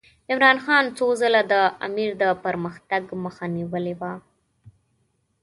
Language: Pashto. عمرا خان څو ځله د امیر د پرمختګ مخه نیولې وه.